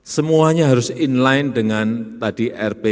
semuanya harus inline dengan tadi